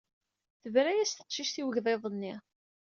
Tebra-as teqcict i ugḍiḍ-nni.